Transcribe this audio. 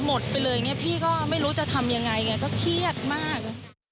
หมดไปเลยพี่ก็ไม่รู้จะทำอย่างไรก็เครียดมาก